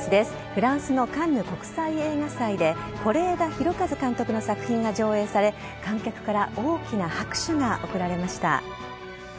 フランスのカンヌ国際映画祭で是枝裕和監督の作品が上映され観客から大きな拍手が送られました。